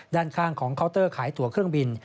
ด้านข้างของเคาน์เตอร์ขายตัวเครื่องบิน